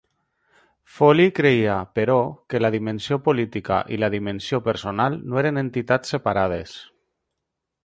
Foley creia, però, que la dimensió política i la dimensió personal no eren entitats separades.